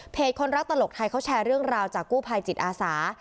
คนรักตลกไทยเขาแชร์เรื่องราวจากกู้ภัยจิตอาสา